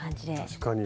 確かに。